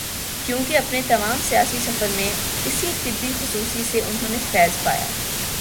کیونکہ اپنے تمام سیاسی سفر میں اسی طب خصوصی سے انہوں نے فیض پایا۔